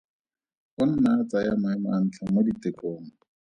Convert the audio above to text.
O nna a tsaya maemo a ntlha mo ditekong.